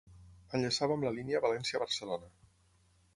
Enllaçava amb la línia València-Barcelona.